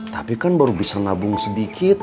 tapi kan baru bisa nabung sedikit